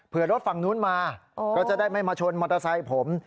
เพื่อรถฝั่งนู้นมาก็จะได้ไม่มาชนมอเตอร์ไซค์ผม